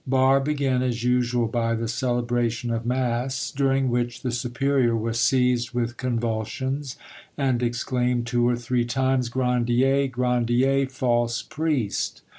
Barre began, as usual, by the celebration of mass, during which the superior was seized with convulsions, and exclaimed two or three times, "Grandier! Grandier! false priest!"